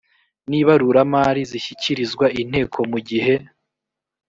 n ibaruramari zishyikirizwa inteko mu gihe